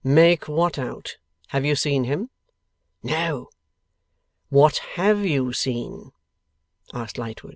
'Make what out? Have you seen him?' 'No.' 'What HAVE you seen?' asked Lightwood.